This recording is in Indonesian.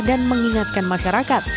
dan mengingatkan masyarakat